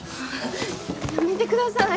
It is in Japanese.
やめてください。